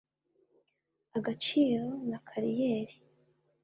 agaciro na kariyeri